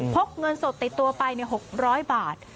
กเงินสดติดตัวไป๖๐๐บาท